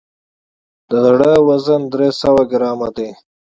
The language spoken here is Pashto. د زړه وزن درې سوه ګرامه دی.